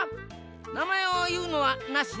なまえをいうのはなしな。